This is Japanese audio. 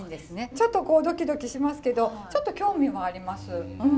ちょっとこうドキドキしますけどちょっと興味もあります。